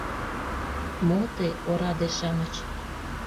— Мо те, ораде-шамыч!